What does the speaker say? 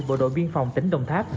bộ đội biên phòng tỉnh đồng tháp